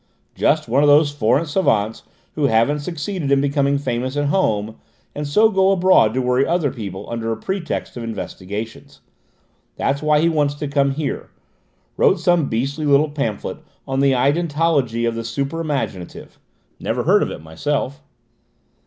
"Just one of those foreign savants who haven't succeeded in becoming famous at home and so go abroad to worry other people under a pretext of investigations. That's why he wants to come here. Wrote some beastly little pamphlet on the ideontology of the hyper imaginative. Never heard of it myself."